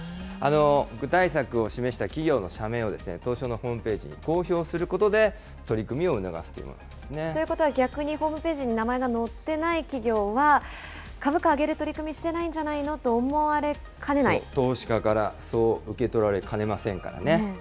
具体策を示した企業の社名を、東証のホームページに公表することで、取り組みを促すというものなということは逆にホームページに名前が載ってない企業は、株価上げる取り組みしてないんじゃ投資家からそう受け取られかねませんからね。